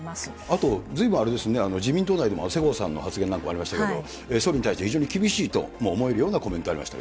あとずいぶんあれですね、自民党内でも世耕さんの発言なんかもありましたけど、総理に対して非常に厳しいと思えるようなコメントありました。